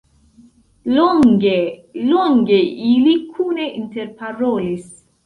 Longe, longe ili kune interparolis.